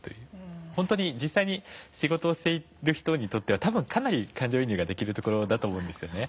本当に実際に仕事をしている人にとっては多分かなり感情移入ができる所だと思うんですよね。